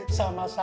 eh tapi papi